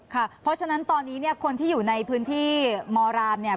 ค่ะเพราะฉะนั้นตอนนี้เนี่ยคนที่อยู่ในพื้นที่มรามเนี่ย